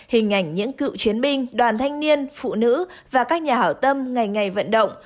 hình ảnh những cựu chiến binh đoàn thanh niên phụ nữ và các nhà hảo tâm ngày ngày vận động